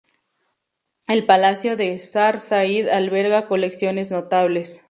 El palacio de Ksar Said alberga colecciones notables.